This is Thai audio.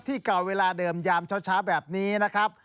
เก่าเวลาเดิมยามเช้าแบบนี้นะครับ